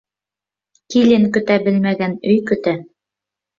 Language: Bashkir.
Килен көтә белмәгән өй көтә.